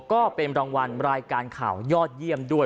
ก็เป็นรางวัลรายการข่าวยอดเยี่ยมด้วย